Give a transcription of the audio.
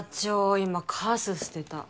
今カス捨てた。